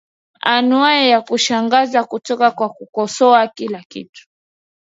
anuwai ya kushangaza kutoka kwa kukosoa kila kitu